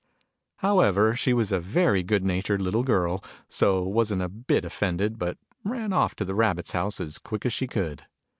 However she was a very good natured little girl : so she wasn't a bit offended, but ran off to the Rabbit's house as quick as she could.